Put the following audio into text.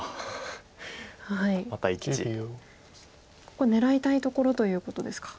ここ狙いたいところということですか。